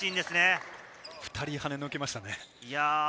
２人はねのけましたね。